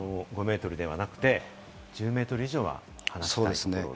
本来は５メートルではなくて１０メートル以上は離したいと。